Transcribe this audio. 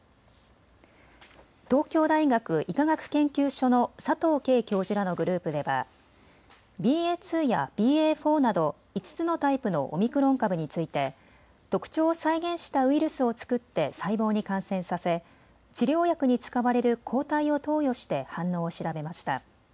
東京大学医科学研究所の佐藤佳教授らのグループではＢＡ．２やＢＡ．４など５つのタイプのオミクロン株について特徴を再現したウイルスを作って細胞に感染させ治療薬に使われる抗体を投与して反応を調べました。